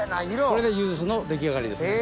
これでゆず酢の出来上がりですね。